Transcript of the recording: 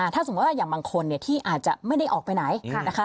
ถ้าสมมุติว่าอย่างบางคนที่อาจจะไม่ได้ออกไปไหนนะคะ